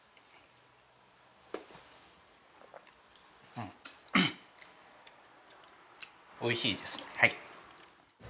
うんおいしいですはい。